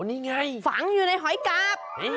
นี่ไงฝังอยู่ในหอยกาบ